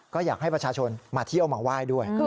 ก็อยากให้ประชาชนมาเที่ยวมาไหว้ด้วย